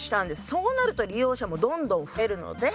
そうなると利用者もどんどん増えるので。